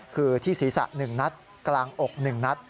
คือที่ศีรษะ๑นัดกลางอก๑นัด